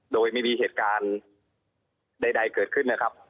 โดยไม่มีเหตุการณ์ใดเกิดขึ้นนะครับ